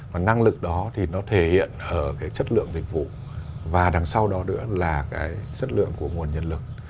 và năng lực đó thì nó thể hiện ở cái chất lượng dịch vụ và đằng sau đó nữa là cái chất lượng của nguồn nhân lực